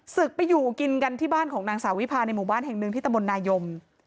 ไปอยู่กินกันที่บ้านของนางสาววิพาในหมู่บ้านแห่งหนึ่งที่ตะมนนายม